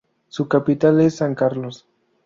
Su capital es San Carlos.